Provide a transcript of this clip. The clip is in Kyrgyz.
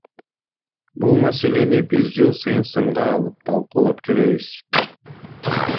Бул маселени биз жыл сайын сынга алып, талкуулап келебиз.